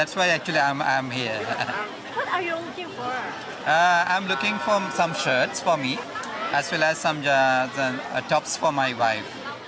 saya cari beberapa baju serta beberapa top untuk istri saya